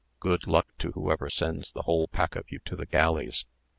Good luck to whoever sends the whole pack of you to the galleys.